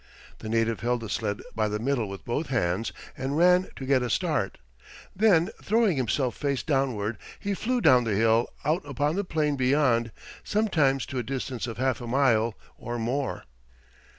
The native held the sled by the middle with both hands, and ran to get a start. Then, throwing himself face downward, he flew down the hill out upon the plain beyond, sometimes to a distance of half a mile or more. [Illustration: INTERIOR OF HAWAIIAN GRASS HOUSE.